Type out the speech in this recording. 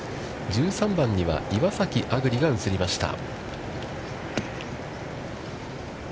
１３番には岩崎亜久竜が映りました。